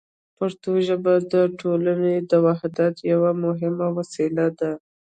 پښتو ژبه د ټولنې د وحدت یوه مهمه وسیله ده.